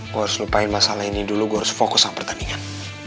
gue harus lupain masalah ini dulu gue harus fokus sama pertandingan